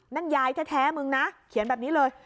นั่นยายแท้มึงนะเขียนแบบนี้เลย